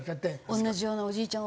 同じようなおじいちゃん